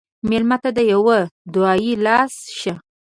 مېلمه ته د یوه دعایي لاس شه.